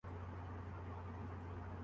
اس بار پہلے سے اہتمام ہونا چاہیے۔